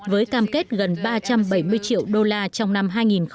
với cam kết gần ba trăm bảy mươi triệu đô la trong năm hai nghìn một mươi sáu